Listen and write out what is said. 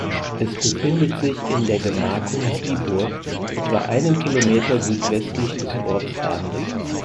Es befindet sich in der Gemarkung Dieburg etwa einen Kilometer südwestlich des Ortsrandes.